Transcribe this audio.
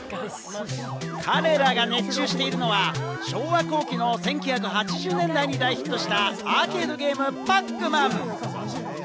彼らが熱中しているのは、昭和後期の１９８０年代に大ヒットしたアーケードゲーム『パックマン』。